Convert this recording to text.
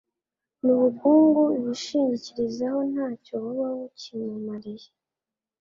n’ubukungu yishingikirizagaho nta cyo buba bukimumariye